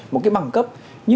một cái bằng cấp